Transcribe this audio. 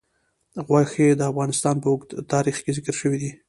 غوښې د افغانستان په اوږده تاریخ کې ذکر شوی دی.